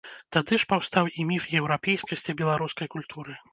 Тады ж паўстаў і міф еўрапейскасці беларускай культуры.